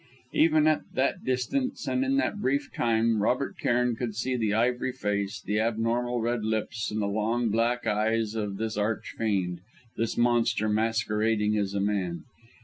Even at that distance and in that brief time, Robert Cairn could see the ivory face, the abnormal, red lips, and the long black eyes of this arch fiend, this monster masquerading as a man.